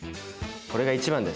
これが一番です！